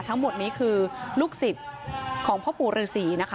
ทั้งหมดนี้คือลูกศิษย์ของพ่อปู่ฤษีนะคะ